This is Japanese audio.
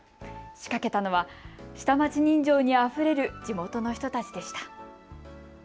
仕掛けたのは下町人情にあふれる地元の人たちでした。